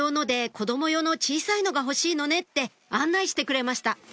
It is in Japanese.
子供用の小さいのが欲しいのね」って案内してくれました